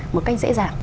một cách dễ dàng